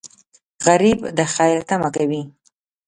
غریب د خیر تمه کوي